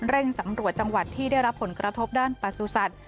สำรวจจังหวัดที่ได้รับผลกระทบด้านประสุทธิ์